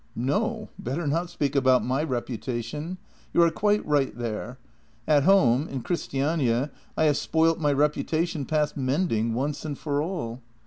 " No, better not speak about my reputation. You are quite right there. At home, in Christiania, I have spoilt my reputa tion past mending, once and for all."